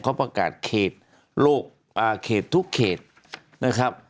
เขาประกาศเขตทุกเขตนะครับ